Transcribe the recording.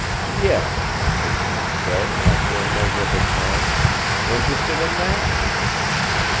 "Yes," Hastings said, after a measurable pause. "Interested in that?"